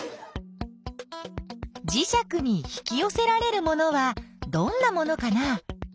じしゃくに引きよせられるものはどんなものかな？